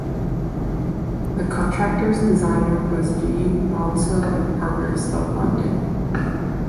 The contractor's designer was G Maunsell and Partners of London.